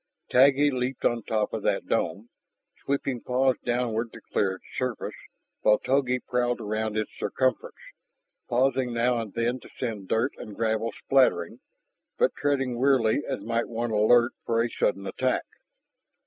Taggi leaped to the top of that dome, sweeping paws downward to clear its surface, while Togi prowled around its circumference, pausing now and then to send dirt and gravel spattering, but treading warily as might one alert for a sudden attack.